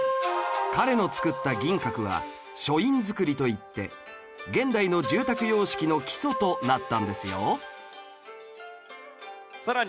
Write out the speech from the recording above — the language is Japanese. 彼の造った銀閣は書院造りといって現代の住宅様式の基礎となったんですよ